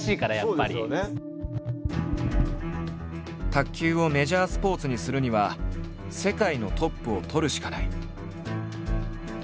「卓球をメジャースポーツにするには世界のトップをとるしかない」。